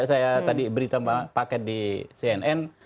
saya tadi beritahukan paket di cnn